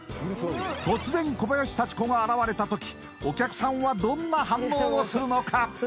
突然小林幸子が現れた時お客さんはどんな反応をするのか